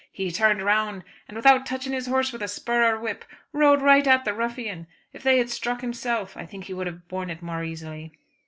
He turned round, and, without touching his horse with spur or whip, rode right at the ruffian. If they had struck himself, I think he would have borne it more easily."